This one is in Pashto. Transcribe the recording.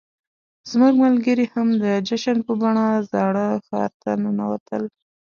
زموږ ملګري هم د جشن په بڼه زاړه ښار ته ننوتل.